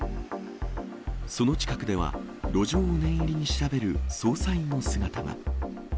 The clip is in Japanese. その近くでは、路上を念入りに調べる捜査員の姿が。